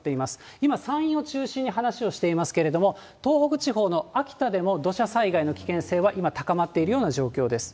今、山陰を中心に話をしていますけれども、東北地方の秋田でも、土砂災害の危険性は、今、高まっているような状況です。